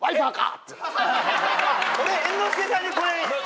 俺猿之助さんにこれ？